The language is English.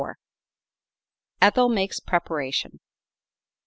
ETHEL MAKES PREPARATION.